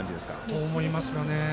そう思いますがね。